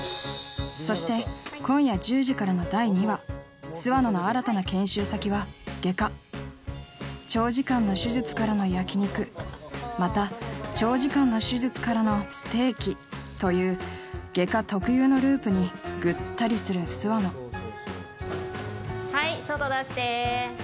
そして今夜１０時からの第２話長時間の手術からの焼き肉また長時間の手術からのステーキという外科特有のループにぐったりする諏訪野はい外出して。